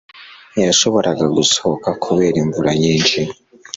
Ntiyashoboraga gusohoka kubera imvura nyinshi.